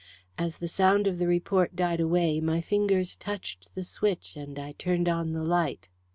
As the sound of the report died away, my fingers touched the switch and I turned on the light.